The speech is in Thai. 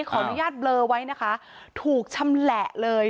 ขออนุญาตเบลอไว้นะคะถูกชำแหละเลย